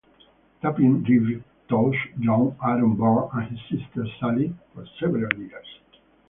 Tapping Reeve taught young Aaron Burr and his sister Sally for several years.